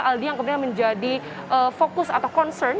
aldi yang kemudian menjadi fokus atau concern